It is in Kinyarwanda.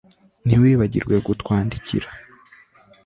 Ntiwibagirwe kutwandikira